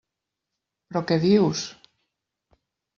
Però què dius?